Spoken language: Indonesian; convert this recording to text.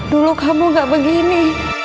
dulu kamu gak begini